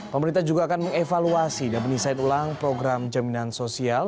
pemerintah juga akan mengevaluasi dan mendesain ulang program jaminan sosial